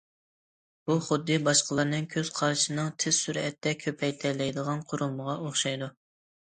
بۇ خۇددى باشقىلارنىڭ كۆز قارىشىنىڭ تېز سۈرئەتتە كۆپەيتەلەيدىغان قۇرۇلمىغا ئوخشايدۇ.